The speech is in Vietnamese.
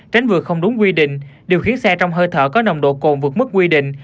tránh vượt không đúng quy định điều khiển xe trong hơi thở có nồng độ cồn vượt mức quy định